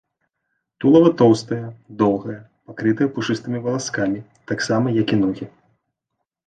Тулава тоўстае, доўгае, пакрытае пушыстымі валаскамі, таксама як і ногі.